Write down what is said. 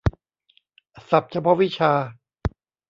ศัพท์เฉพาะวิชา